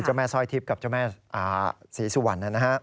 แม่สร้อยทิพย์กับเจ้าแม่ศรีสุวรรณนะฮะ